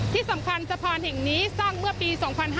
ที่สำคัญสะพานแห่งนี้สร้างเมื่อปี๒๕๕๙